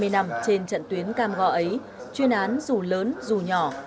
hai mươi năm trên trận tuyến cam go ấy chuyên án dù lớn dù nhỏ